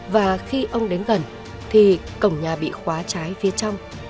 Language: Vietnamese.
và khi ông đến gần thì cổng nhà bị khóa trái phía trong